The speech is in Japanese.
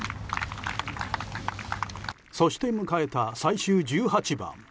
そして迎えた最終１８番。